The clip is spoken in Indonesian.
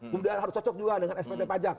kemudian harus cocok juga dengan spt pajak